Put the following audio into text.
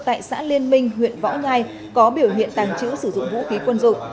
tại xã liên minh huyện võ nhai có biểu hiện tàng trữ sử dụng vũ khí quân dụng